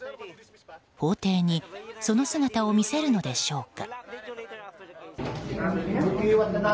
法廷にその姿を見せるのでしょうか。